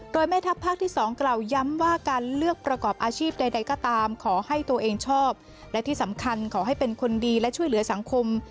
โดยแม่ทัพภาคที่๒กล่าวย้ำว่าการเลือกประกอบอาชีพใดก็ตามขอให้ตัวเองชอบและที่สำคัญขอให้เป็นคนดีและช่วยเหลือสังคม